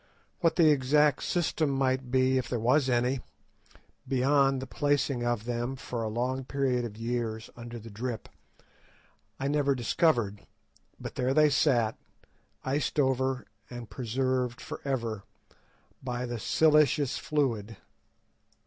What the exact system might be, if there was any, beyond the placing of them for a long period of years under the drip, I never discovered, but there they sat, iced over and preserved for ever by the siliceous fluid.